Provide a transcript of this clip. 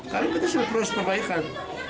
karena kita sudah proses perbaikan